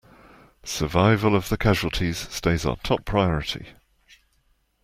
Survival of the casualties stays our top priority!